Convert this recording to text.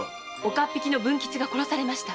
岡っ引きの文吉が殺されました。